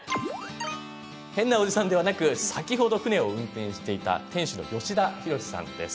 変なおじさんではなく先ほど船を運転していた店主の吉田博さんです。